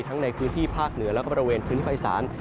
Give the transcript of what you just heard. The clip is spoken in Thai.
ในพื้นที่ภาคเหนือแล้วก็บริเวณพื้นที่ภาคอีสาน